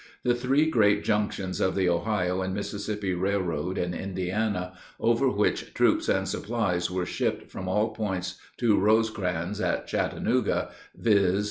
The three great junctions of the Ohio and Mississippi Railroad in Indiana, over which troops and supplies were shipped from all points to Rosecrans at Chattanooga viz.